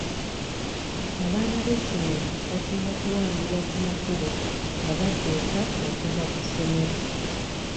Abaana b'essomero basinga kuwambibwa ku makubo nga badda ewaka okuva ku ssomero..